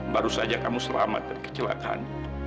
baru saja kamu selamat dari kecelakaan